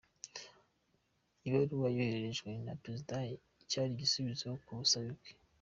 Ibaruwa yohererejwe na perezida cyari igisubizo ku busabe bwe.